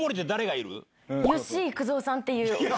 吉幾三さんっていう。